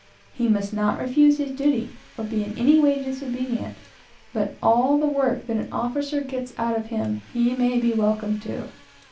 He must not refuse his duty, or be in any way disobedient, but all the work that an officer gets out of him, he may be welcome to.